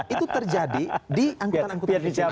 itu terjadi di angkutan angkutan digital